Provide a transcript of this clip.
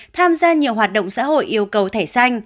tham gia nhiều hoạt động xã hội yêu cầu thẻ xanh